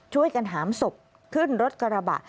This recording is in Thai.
ช่วยกันหามศพขึ้นรถกระบะ